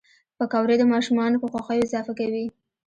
پکورې د ماشومانو په خوښیو اضافه کوي